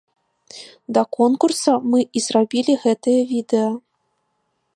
Да конкурса мы і зрабілі гэтае відэа.